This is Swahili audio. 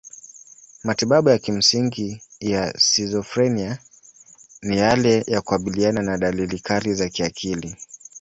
Matibabu ya kimsingi ya skizofrenia ni yale ya kukabiliana na dalili kali za kiakili.